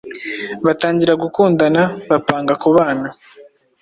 batangira gukundana, bapanga kubana